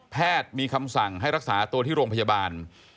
มีคำสั่งให้รักษาตัวที่โรงพยาบาล